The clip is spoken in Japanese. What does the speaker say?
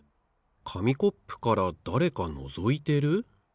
かみコップからだれかのぞいてる？